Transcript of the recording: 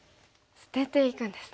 捨てていくんですね。